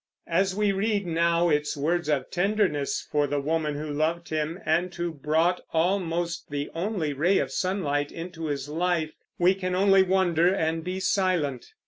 As we read now its words of tenderness for the woman who loved him, and who brought almost the only ray of sunlight into his life, we can only wonder and be silent.